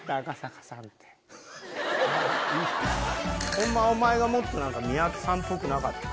ホンマはお前がもっと何か三宅さんっぽくなかったからや。